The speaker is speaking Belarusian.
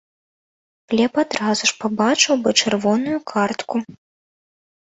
Глеб адразу ж пабачыў бы чырвоную картку.